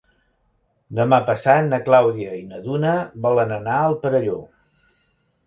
Demà passat na Clàudia i na Duna volen anar al Perelló.